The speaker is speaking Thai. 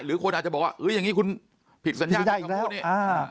หรือคนอาจจะบอกว่าอย่างนี้คุณผิดสัญญาณ